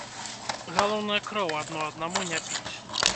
Галоўнае кроў адно аднаму не піць.